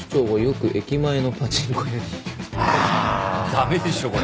駄目でしょこれ。